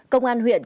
công an huyện